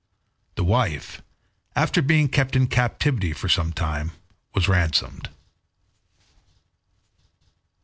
The wife, after being kept in captivity for a time, was ransomed.